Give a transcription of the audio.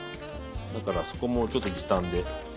だからそこもちょっと時短で。